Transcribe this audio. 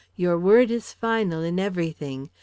Your word is final in everything.